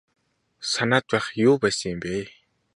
Санаад байх юу байсан юм бэ.